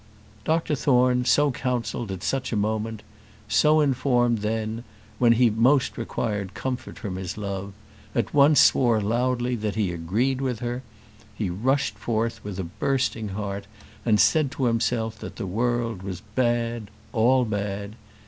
Dr Thorne, so counselled, at such a moment, so informed then, when he most required comfort from his love, at once swore loudly that he agreed with her. He rushed forth with a bursting heart, and said to himself that the world was bad, all bad.